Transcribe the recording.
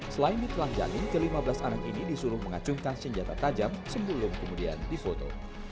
selain ditelanjani kelima belas anak ini disuruh mengacungkan senjata tajam sebelum kemudian difoto